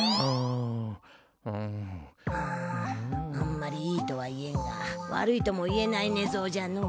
うんあんまりいいとは言えんが悪いとも言えない寝相じゃのう。